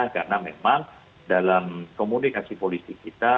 karena memang dalam komunikasi politik kita